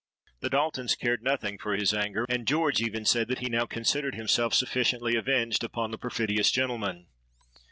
The Daltons cared nothing for his anger; and George even said that he now considered himself sufficiently avenged upon the perfidious gentleman.